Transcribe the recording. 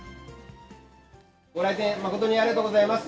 ご来店、誠にありがとうございます。